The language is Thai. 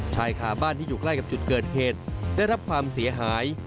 ชายขาบ้านที่อยู่ใกล้กับจุดเกิดเหตุได้รับความเสียหาย